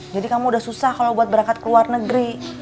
jadi kamu udah susah kalo buat berangkat ke luar negeri